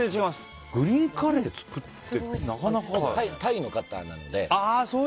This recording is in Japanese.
グリーンカレー作るってタイの方なので。